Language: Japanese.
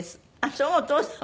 そうお父さん。